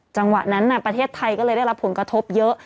จังหวะนั้นประเทศไทยก็เลยได้รับผลกระทบเยอะ